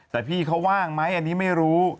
แต่พี่เขาว่างไหมอันนี้ไม่รู้